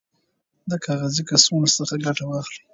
د کاغذي کڅوړو څخه ګټه واخلئ.